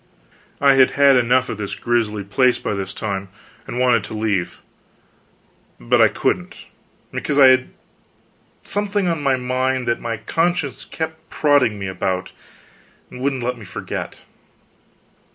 I had had enough of this grisly place by this time, and wanted to leave, but I couldn't, because I had something on my mind that my conscience kept prodding me about, and wouldn't let me forget.